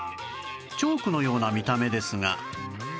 チョークのような見た目ですが